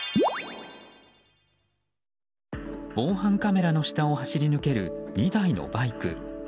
防犯カメラの下を走り抜ける２台のバイク。